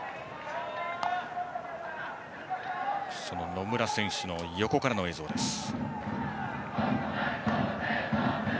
野村選手の横からの映像でした。